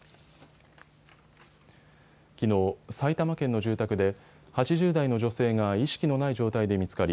きのう、埼玉県の住宅で８０代の女性が意識のない状態で見つかり